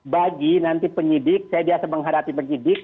bagi nanti penyidik saya biasa menghadapi penyidik